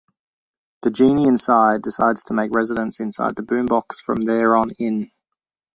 The genie inside decides to make residence inside the boombox from there on in.